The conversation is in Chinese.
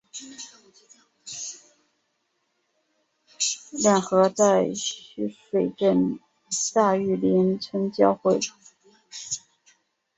两河在须水镇大榆林村交汇。